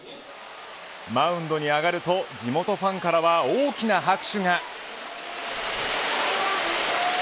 マウンドに上がると地元ファンからは大きな拍手が。